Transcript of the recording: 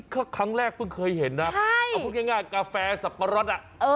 ค้าแรกเพิ่งเคยเห็นน่ะมันพูดง่ายแกาแฟสับปะรสอ่ะ